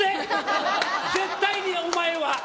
絶対にお前は！